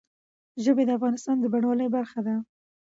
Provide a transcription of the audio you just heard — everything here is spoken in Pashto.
ژبې د افغانستان د بڼوالۍ برخه ده.